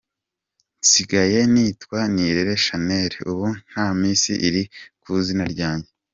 Nsigaye nitwa Nirere Shanel, ubu nta Miss iri ku izina ryanjye.